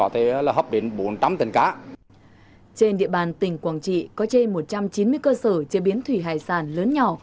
trên địa bàn tỉnh quảng trị có trên một trăm chín mươi cơ sở chế biến thủy hải sản lớn nhỏ